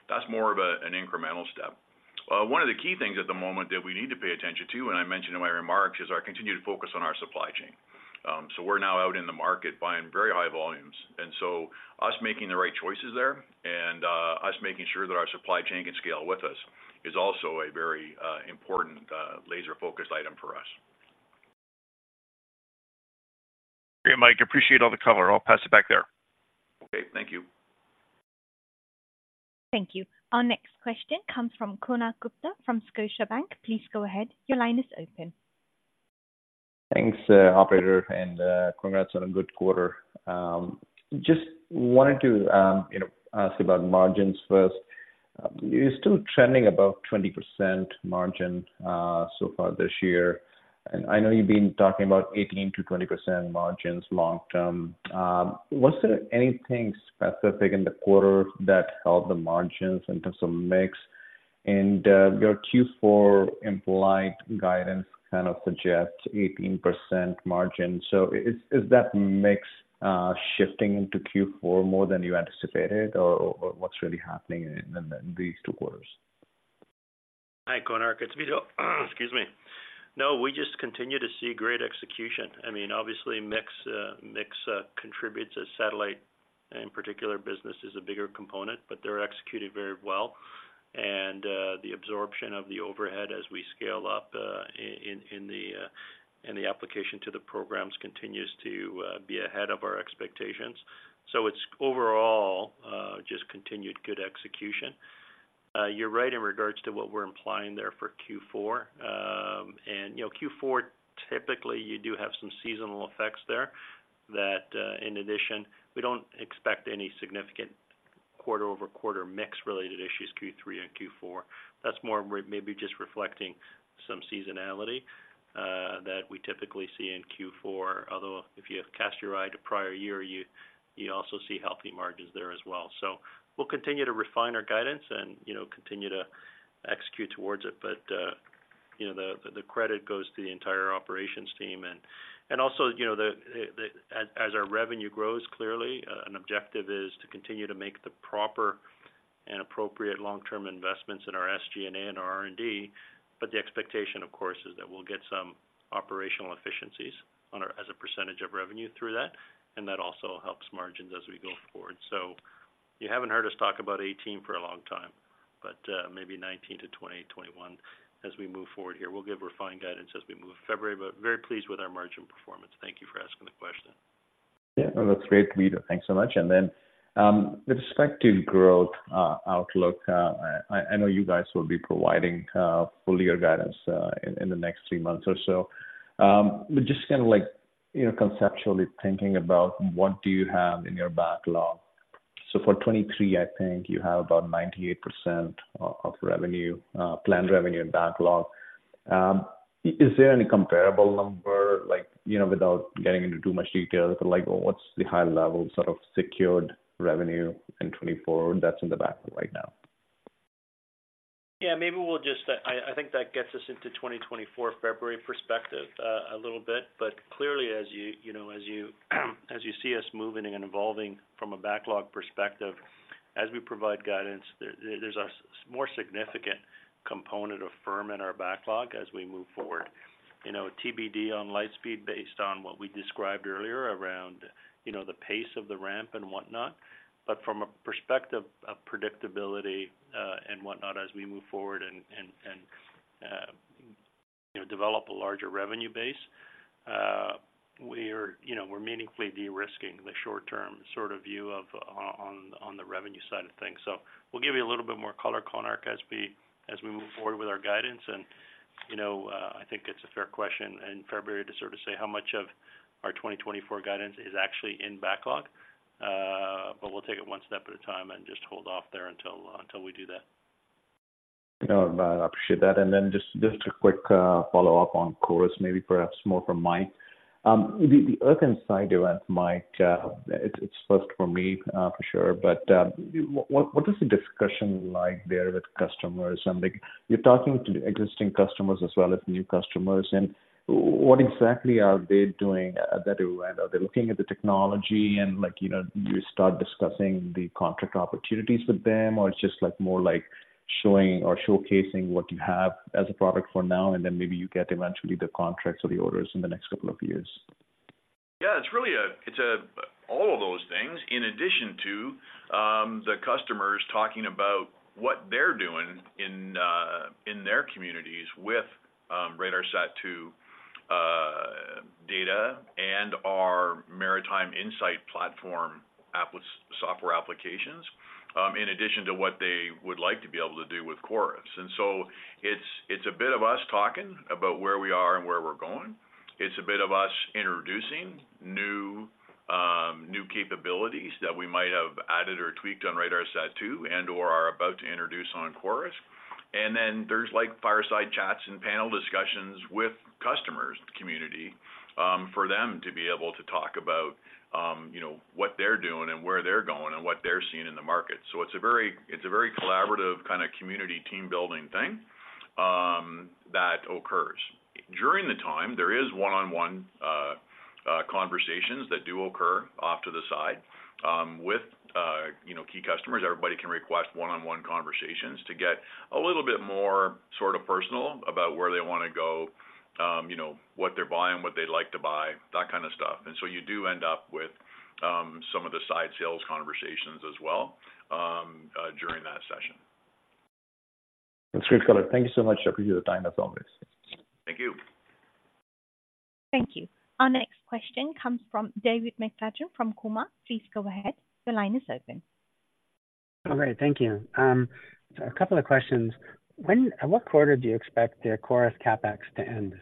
That's more of an incremental step. One of the key things at the moment that we need to pay attention to, and I mentioned in my remarks, is our continued focus on our supply chain. So we're now out in the market buying very high volumes, and so us making the right choices there and us making sure that our supply chain can scale with us is also a very important laser-focused item for us. Great, Mike. Appreciate all the color. I'll pass it back there. Okay, thank you. Thank you. Our next question comes from Konark Gupta from Scotiabank. Please go ahead. Your line is open. Thanks, operator, and congrats on a good quarter. Just wanted to, you know, ask about margins first. You're still trending above 20% margin so far this year. I know you've been talking about 18%-20% margins long term. Was there anything specific in the quarter that helped the margins in terms of mix? And your Q4 implied guidance kind of suggests 18% margin. So is that mix shifting into Q4 more than you anticipated, or what's really happening in these two quarters? Hi, Konark, it's Vito. Excuse me. No, we just continue to see great execution. I mean, obviously, mix, mix, contributes as satellite, in particular, business is a bigger component, but they're executed very well. The absorption of the overhead as we scale up, in the application to the programs continues to be ahead of our expectations. So it's overall, just continued good execution. You're right in regards to what we're implying there for Q4. And, you know, Q4, typically, you do have some seasonal effects there that, in addition, we don't expect any significant quarter-over-quarter mix-related issues, Q3 and Q4. That's more maybe just reflecting some seasonality, that we typically see in Q4. Although, if you have cast your eye to prior year, you also see healthy margins there as well. So we'll continue to refine our guidance and, you know, continue to execute towards it. But, you know, the credit goes to the entire operations team. Also, you know, as our revenue grows, clearly, an objective is to continue to make the proper and appropriate long-term investments in our SG&A and our R&D. But the expectation, of course, is that we'll get some operational efficiencies on our as a percentage of revenue through that, and that also helps margins as we go forward. So you haven't heard us talk about 18 for a long time, but maybe 19 to 20, 21 as we move forward here. We'll give refined guidance as we move in February, but very pleased with our margin performance. Thank you for asking the question. Yeah, that's great, Vito. Thanks so much. And then, with respect to growth outlook, I know you guys will be providing full-year guidance in the next 3 months or so. But just kinda like, you know, conceptually thinking about what do you have in your backlog? So for 2023, I think you have about 98% of revenue, planned revenue and backlog. Is there any comparable number, like, you know, without getting into too much detail, but like, what's the high level sort of secured revenue in 2024 that's in the backlog right now? Yeah, maybe we'll just... I, I think that gets us into 2024 February perspective, a little bit, but clearly, as you, you know, as you, as you see us moving and evolving from a backlog perspective, as we provide guidance, there, there's a more significant component of firm in our backlog as we move forward. You know, TBD on Lightspeed, based on what we described earlier around, you know, the pace of the ramp and whatnot. But from a perspective of predictability, and whatnot, as we move forward and, and, and, you know, develop a larger revenue base, we're, you know, we're meaningfully de-risking the short term sort of view of, on, on, on the revenue side of things. So we'll give you a little bit more color, Konark, as we, as we move forward with our guidance. You know, I think it's a fair question in February to sort of say how much of our 2024 guidance is actually in backlog. We'll take it one step at a time and just hold off there until until we do that. No, I appreciate that. And then just a quick follow-up on CHORUS, maybe perhaps more from Mike. The Earth Insight event, Mike, it's first for me, for sure, but what is the discussion like there with customers? And, like, you're talking to existing customers as well as new customers, and what exactly are they doing at that event? Are they looking at the technology and like, you know, you start discussing the contract opportunities with them, or it's just, like, more like showing or showcasing what you have as a product for now, and then maybe you get eventually the contracts or the orders in the next couple of years? Yeah, it's really all of those things, in addition to the customers talking about what they're doing in their communities with RADARSAT-2 data and our Maritime Insight platform software applications, in addition to what they would like to be able to do with CHORUS. And so it's a bit of us talking about where we are and where we're going. It's a bit of us introducing new capabilities that we might have added or tweaked on RADARSAT-2 and/or are about to introduce on CHORUS. And then there's, like, fireside chats and panel discussions with customers, community for them to be able to talk about, you know, what they're doing and where they're going and what they're seeing in the market. So it's a very collaborative kind of community, team-building thing that occurs. During the time, there is one-on-one conversations that do occur off to the side, with, you know, key customers. Everybody can request one-on-one conversations to get a little bit more sort of personal about where they want to go, you know, what they're buying, what they'd like to buy, that kind of stuff. So you do end up with some of the side sales conversations as well during that session. That's great, Scott. Thank you so much for your time, as always. Thank you. Thank you. Our next question comes from David McFadgen from Cormark. Please go ahead. The line is open. All right, thank you. So a couple of questions. At what quarter do you expect the CHORUS CapEx to end?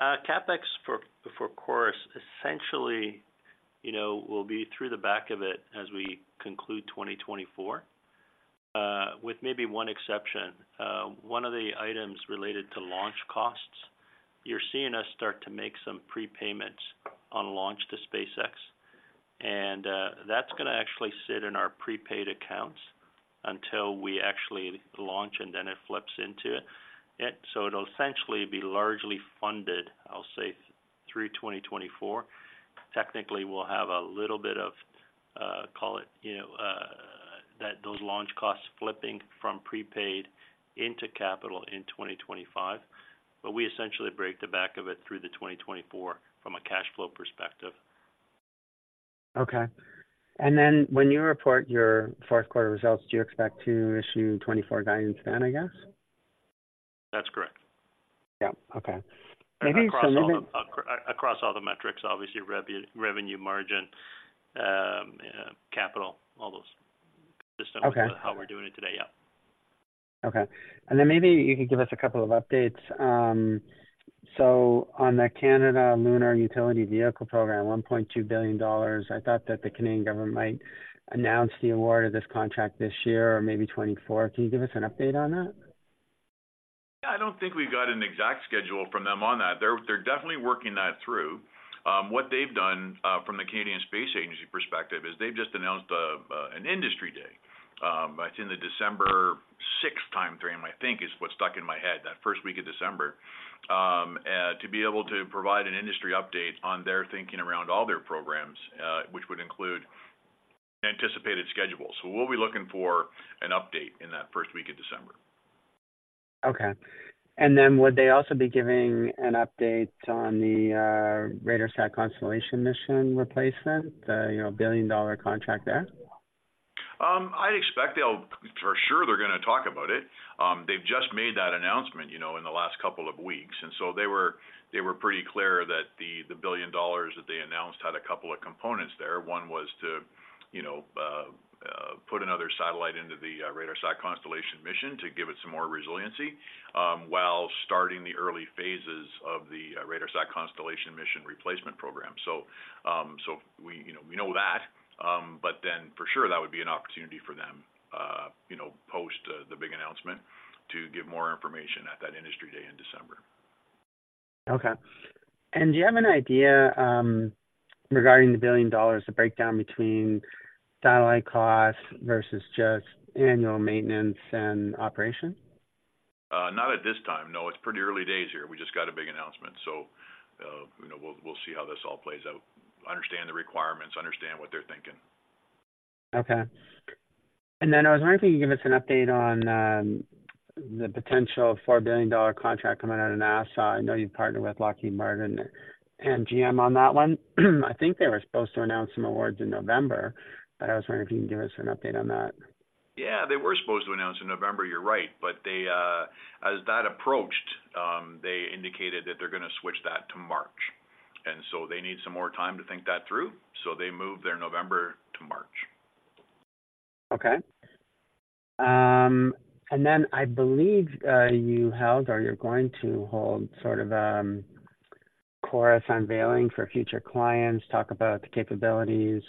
CapEx for, for CHORUS, essentially, you know, will be through the back of it as we conclude 2024, with maybe one exception. One of the items related to launch costs, you're seeing us start to make some prepayments on launch to SpaceX, and, that's gonna actually sit in our prepaid accounts until we actually launch, and then it flips into it. So it'll essentially be largely funded, I'll say, through 2024. Technically, we'll have a little bit of, call it, you know, that those launch costs flipping from prepaid into capital in 2025, but we essentially break the back of it through the 2024 from a cash flow perspective. Okay. And then when you report your fourth quarter results, do you expect to issue 2024 guidance then, I guess? That's correct. Yeah. Okay. Maybe some of the- Across all the metrics, obviously, revenue margin, capital, all those systems, how we're doing it today. Yeah. Okay. And then maybe you could give us a couple of updates. So on the Canadian Lunar Utility Vehicle program, 1.2 billion dollars, I thought that the Canadian government might announce the award of this contract this year, or maybe 2024. Can you give us an update on that? Yeah, I don't think we've got an exact schedule from them on that. They're, they're definitely working that through. What they've done, from the Canadian Space Agency perspective is they've just announced an industry day. It's in the December 6th timeframe, I think, is what stuck in my head, that first week of December. To be able to provide an industry update on their thinking around all their programs, which would include anticipated schedules. So we'll be looking for an update in that first week of December. Okay. And then would they also be giving an update on the RADARSAT constellation mission replacement, the, you know, billion-dollar contract there? I'd expect they'll... For sure, they're gonna talk about it. They've just made that announcement, you know, in the last couple of weeks, and so they were, they were pretty clear that the 1 billion dollars that they announced had a couple of components there. One was to, you know, put another satellite into the RADARSAT Constellation Mission to give it some more resiliency, while starting the early phases of the RADARSAT Constellation Mission replacement program. So, so we, you know, we know that, but then for sure, that would be an opportunity for them, you know, post the, the big announcement, to give more information at that industry day in December. Okay. Do you have an idea regarding the $1 billion, the breakdown between satellite costs versus just annual maintenance and operation? Not at this time, no. It's pretty early days here. We just got a big announcement, so, you know, we'll see how this all plays out, understand the requirements, understand what they're thinking. Okay. And then I was wondering if you could give us an update on the potential $4 billion contract coming out of NASA. I know you've partnered with Lockheed Martin and GM on that one. I think they were supposed to announce some awards in November, but I was wondering if you could give us an update on that. Yeah, they were supposed to announce in November, you're right. But they, as that approached, they indicated that they're gonna switch that to March, and so they need some more time to think that through. So they moved their November to March. Okay. And then I believe you held or you're going to hold sort of CHORUS unveiling for future clients, talk about the capabilities.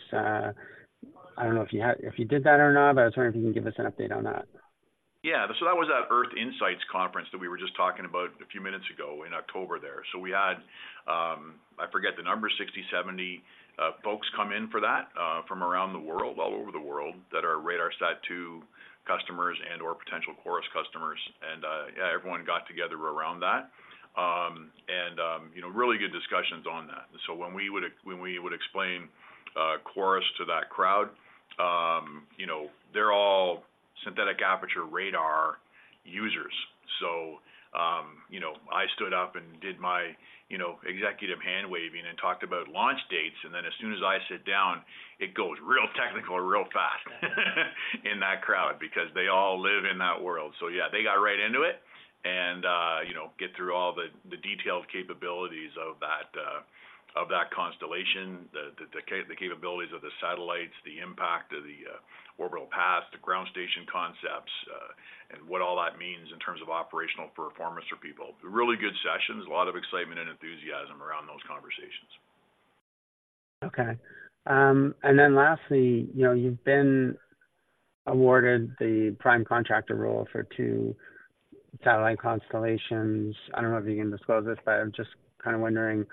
I don't know if you did that or not, but I was wondering if you can give us an update on that. Yeah. So that was that Earth Insights conference that we were just talking about a few minutes ago in October there. So we had, I forget the number, 60, 70, folks come in for that, from around the world, all over the world, that are RADARSAT-2 customers and/or potential CHORUS customers. And, yeah, everyone got together around that. And, you know, really good discussions on that. So when we would, when we would explain, CHORUS to that crowd, you know, they're all synthetic aperture radar users. So, you know, I stood up and did my, you know, executive hand-waving and talked about launch dates, and then as soon as I sit down, it goes real technical, real fast in that crowd because they all live in that world. So yeah, they got right into it, and, you know, get through all the detailed capabilities of that constellation, the capabilities of the satellites, the impact of the orbital paths, the ground station concepts, and what all that means in terms of operational performance for people. Really good sessions, a lot of excitement and enthusiasm around those conversations. Okay. And then lastly, you know, you've been awarded the prime contractor role for two satellite constellations. I don't know if you can disclose this, but I'm just kind of wondering,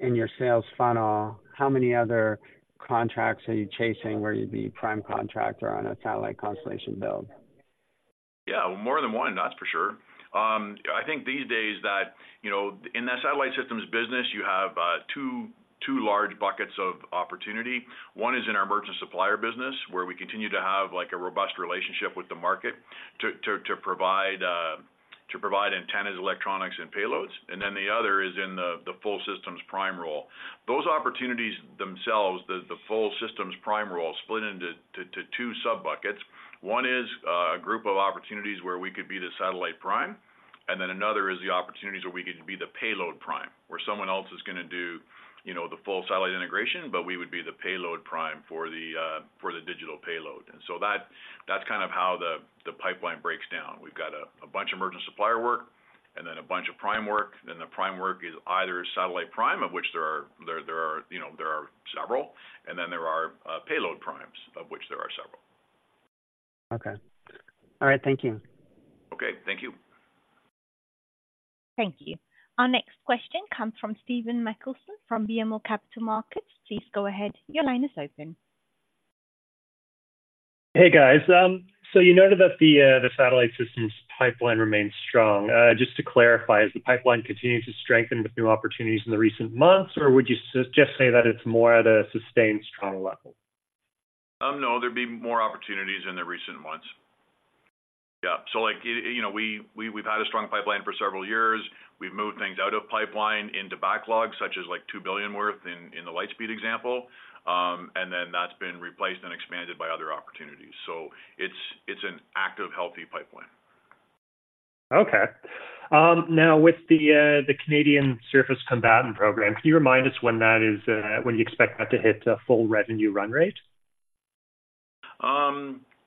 in your sales funnel, how many other contracts are you chasing where you'd be prime contractor on a satellite constellation build? Yeah, more than one, that's for sure. I think these days that, you know, in that Satellite Systems business, you have two large buckets of opportunity. One is in our merchant supplier business, where we continue to have, like, a robust relationship with the market to provide antennas, electronics, and payloads. Then the other is in the full systems prime role. Those opportunities themselves, the full systems prime role, split into two sub-buckets. One is a group of opportunities where we could be the satellite prime, and then another is the opportunities where we could be the payload prime, where someone else is going to do, you know, the full satellite integration, but we would be the payload prime for the digital payload. So that's kind of how the pipeline breaks down. We've got a bunch of merchant supplier work, and then a bunch of prime work, then the prime work is either satellite prime, of which there are, you know, several, and then there are payload primes, of which there are several. Okay. All right, thank you. Okay, thank you. Thank you. Our next question comes from [Thanos Moschopoulos] from BMO Capital Markets. Please go ahead. Your line is open. Hey, guys. So you noted that the Satellite Systems pipeline remains strong. Just to clarify, has the pipeline continued to strengthen with new opportunities in the recent months? Or would you just say that it's more at a sustained, strong level? No, there'd be more opportunities in the recent months. Yeah. So like, you know, we, we've had a strong pipeline for several years. We've moved things out of pipeline into backlogs, such as, like, 2 billion worth, in the Lightspeed example. And then that's been replaced and expanded by other opportunities. So it's, it's an active, healthy pipeline. Okay. Now, with the Canadian Surface Combatant program, can you remind us when that is, when you expect that to hit full revenue run rate?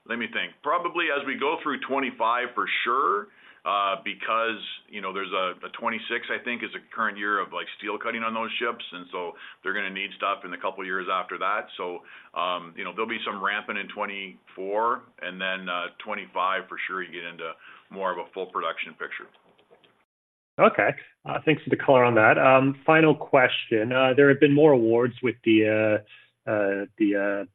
Let me think. Probably as we go through 2025 for sure, because, you know, there's a 2026, I think, is a current year of, like, steel cutting on those ships, and so they're going to need stuff in a couple of years after that. So, you know, there'll be some ramping in 2024, and then, 2025 for sure, you get into more of a full production picture. Okay. Thanks for the color on that. Final question. There have been more awards with the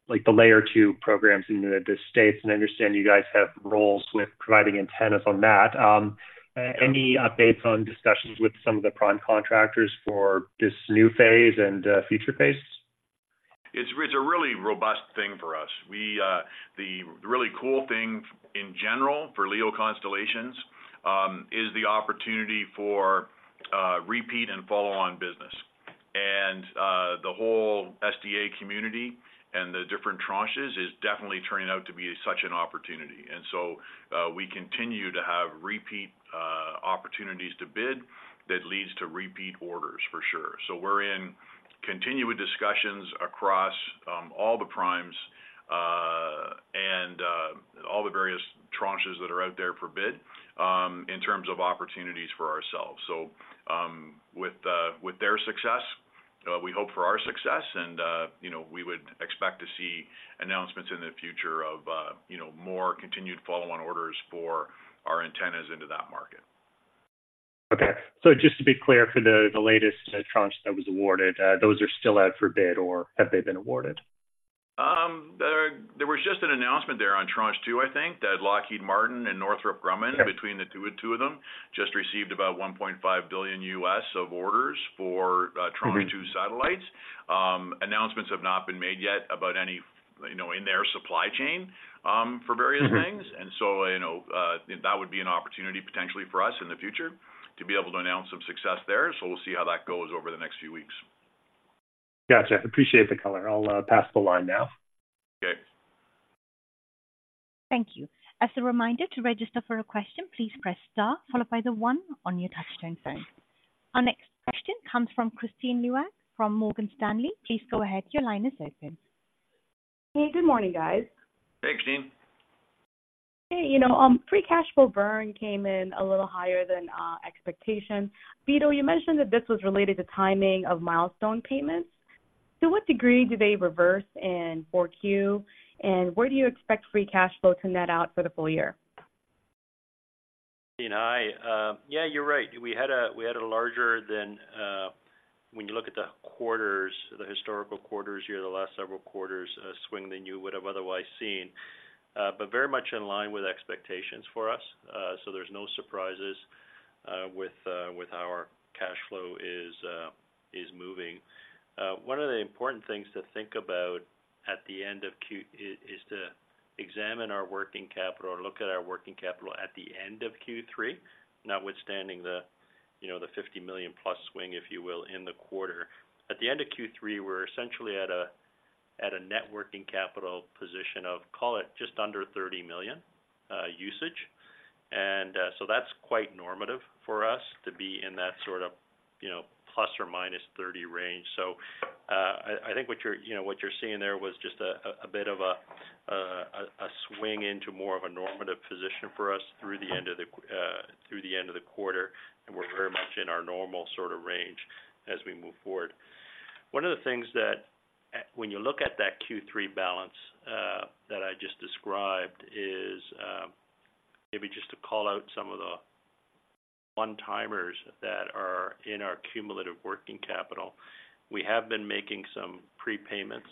like the layer two programs in the States, and I understand you guys have roles with providing antennas on that. Any updates on discussions with some of the prime contractors for this new phase and future phases? It's a really robust thing for us. The really cool thing in general for LEO constellations, is the opportunity for repeat and follow-on business. The whole SDA community and the different tranches is definitely turning out to be such an opportunity. So we continue to have repeat opportunities to bid that leads to repeat orders for sure. So we're in continuing discussions across all the primes, and all the various tranches that are out there for bid, in terms of opportunities for ourselves. So with their success, we hope for our success and you know, we would expect to see announcements in the future of you know, more continued follow-on orders for our antennas into that market. Okay. So just to be clear, for the latest tranche that was awarded, those are still out for bid, or have they been awarded? There was just an announcement there on Tranche 2, I think, that Lockheed Martin and Northrop Grumman, between the two of them, just received about $1.5 billion of orders for Tranche 2 satellites. Announcements have not been made yet about any, you know, in their supply chain, for various things. So, you know, that would be an opportunity potentially for us in the future to be able to announce some success there. So we'll see how that goes over the next few weeks. Gotcha. Appreciate the color. I'll pass the line now. Okay. Thank you. As a reminder to register for a question, please press star, followed by the one on your touchtone phone. Our next question comes from Kristine Liwag from Morgan Stanley. Please go ahead. Your line is open. Hey, good morning, guys. Hey, Kristine. Hey, you know, free cash flow burn came in a little higher than expectation. Vito, you mentioned that this was related to timing of milestone payments. To what degree do they reverse in Q4? And where do you expect free cash flow to net out for the full year? Hi. Yeah, you're right. We had a, we had a larger than, when you look at the quarters, the historical quarters, here, the last several quarters, swing than you would have otherwise seen, but very much in line with expectations for us. So there's no surprises, with our cash flow is moving. One of the important things to think about at the end of Q3 is to examine our working capital or look at our working capital at the end of Q3, notwithstanding the, you know, the +50 million swing, if you will, in the quarter. At the end of Q3, we're essentially at a, at a net working capital position of, call it, just under 30 million, usage. So that's quite normative for us to be in that sort of, you know, ±30 range. So, I think what you're, you know, what you're seeing there was just a bit of a swing into more of a normative position for us through the end of the quarter, and we're very much in our normal sort of range as we move forward. One of the things that, when you look at that Q3 balance that I just described is, maybe just to call out some of the one timers that are in our cumulative working capital. We have been making some prepayments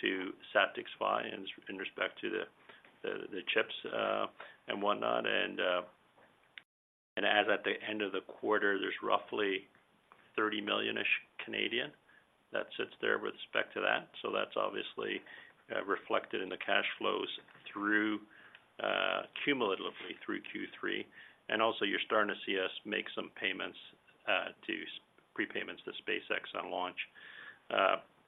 to SatixFy in respect to the chips and whatnot. As at the end of the quarter, there's roughly 30 million-ish that sits there with respect to that. So that's obviously reflected in the cash flows through cumulatively through Q3. Also you're starting to see us make some prepayments to SpaceX on launch.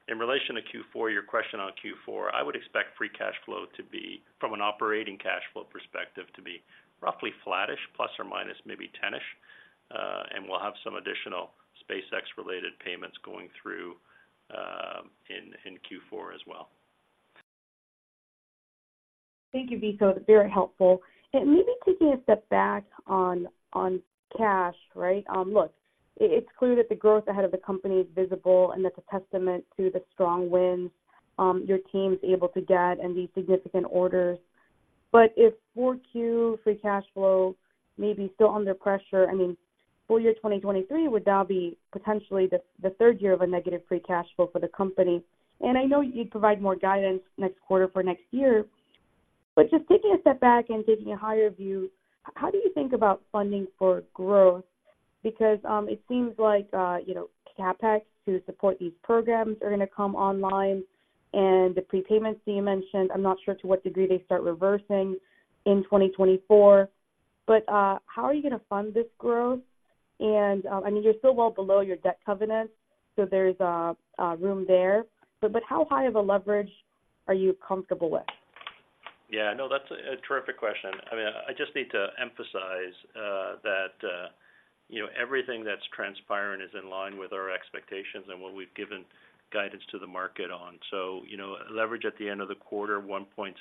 In relation to Q4, your question on Q4, I would expect free cash flow to be, from an operating cash flow perspective, to be roughly flattish, plus or minus, maybe 10 million-ish, and we'll have some additional SpaceX-related payments going through in Q4 as well. Thank you, Vito. Very helpful. And maybe taking a step back on cash, right? Look, it's clear that the growth ahead of the company is visible, and that's a testament to the strong wins your team's able to get and these significant orders. But if Q4 free cash flow may be still under pressure, I mean, full year 2023, would that be potentially the third year of a negative free cash flow for the company? I know you'd provide more guidance next quarter for next year, but just taking a step back and giving a higher view, how do you think about funding for growth? Because, it seems like, you know, CapEx to support these programs are going to come online, and the prepayments that you mentioned, I'm not sure to what degree they start reversing in 2024, but, how are you going to fund this growth? And, I mean, you're still well below your debt covenants, so there's, room there. But how high of a leverage are you comfortable with? Yeah, no, that's a terrific question. I mean, I just need to emphasize, that, you know, everything that's transpiring is in line with our expectations and what we've given guidance to the market on. So, you know, leverage at the end of the quarter, 1.7,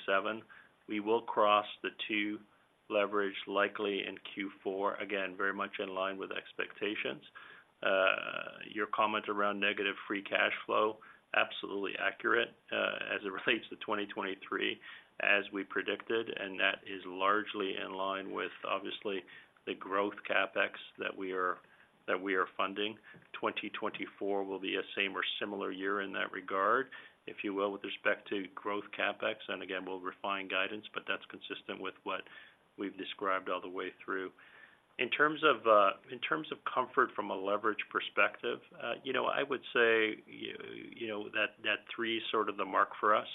we will cross the 2 leverage likely in Q4. Again, very much in line with expectations. Your comment around negative free cash flow, absolutely accurate, as it relates to 2023, as we predicted, and that is largely in line with, obviously, the growth CapEx that we are, that we are funding. 2024 will be a same or similar year in that regard, if you will, with respect to growth CapEx. Again, we'll refine guidance, but that's consistent with what we've described all the way through. In terms of comfort from a leverage perspective, you know, I would say, you know, that, that three is sort of the mark for us.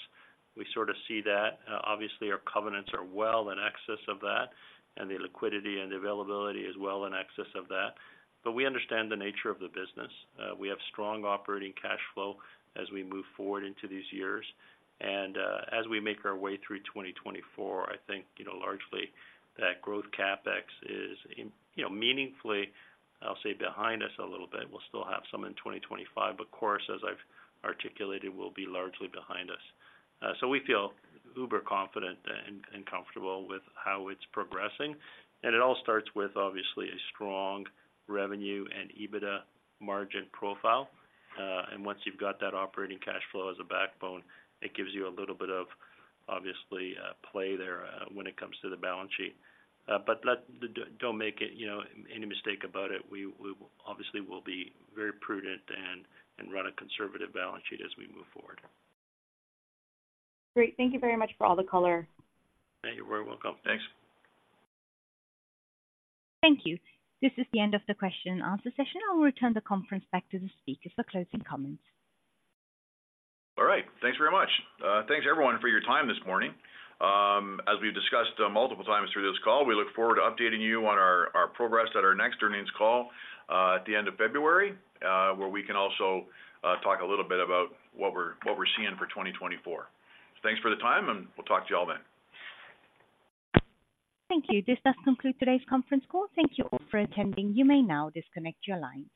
We sort of see that. Obviously our covenants are well in excess of that, and the liquidity and availability is well in excess of that. But we understand the nature of the business. We have strong operating cash flow as we move forward into these years. As we make our way through 2024, I think, you know, largely that growth CapEx is, you know, meaningfully, I'll say, behind us a little bit. We'll still have some in 2025, but of course, as I've articulated, will be largely behind us. So we feel uber confident and comfortable with how it's progressing. It all starts with obviously a strong revenue and EBITDA margin profile. Once you've got that operating cash flow as a backbone, it gives you a little bit of obviously, play there, when it comes to the balance sheet. But don't make, you know, any mistake about it. We obviously will be very prudent and run a conservative balance sheet as we move forward. Great. Thank you very much for all the color. Thank you. Very welcome. Thanks. Thank you. This is the end of the question-and-answer session. I'll return the conference back to the speakers for closing comments. All right. Thanks very much. Thanks, everyone, for your time this morning. As we've discussed, multiple times through this call, we look forward to updating you on our progress at our next earnings call, at the end of February, where we can also talk a little bit about what we're seeing for 2024. Thanks for the time, and we'll talk to you all then. Thank you. This does conclude today's conference call. Thank you all for attending. You may now disconnect your line.